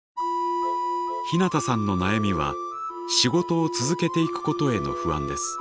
ひなたさんの悩みは仕事を続けていくことへの不安です。